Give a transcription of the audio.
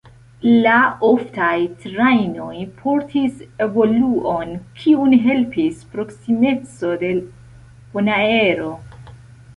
La oftaj trajnoj portis evoluon, kiun helpis proksimeco de Bonaero.